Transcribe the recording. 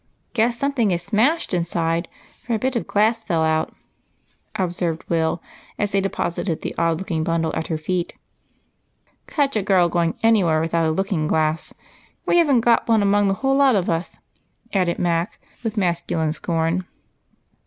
" Guess something is smashed inside, for a bit of glass fell out," observed Will, as they deposited the bundle at her feet. "Catch a girl going anywhere without a looking glass. We have n't got one among the whole lot of us," added Mac, with masculine scorn.